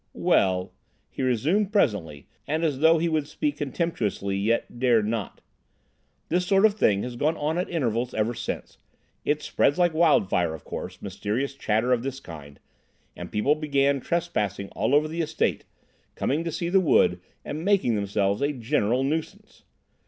"Well," he resumed presently, and as though he would speak contemptuously, yet dared not, "this sort of thing has gone on at intervals ever since. It spreads like wildfire, of course, mysterious chatter of this kind, and people began trespassing all over the estate, coming to see the wood, and making themselves a general nuisance.